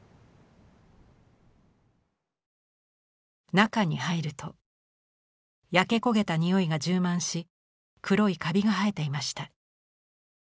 中に入ると焼け焦げたにおいが充満し黒いカビが生えていました。